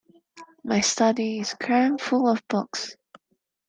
My study is crammed full of books.